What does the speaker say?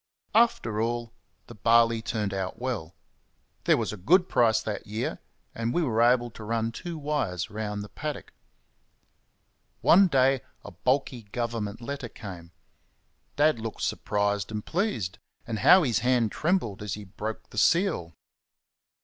After all, the barley turned out well there was a good price that year, and we were able to run two wires round the paddock. One day a bulky Government letter came. Dad looked surprised and pleased, and how his hand trembled as he broke the seal!